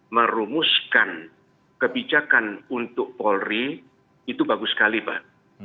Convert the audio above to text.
merumuskan kebijakan untuk polri itu bagus sekali pak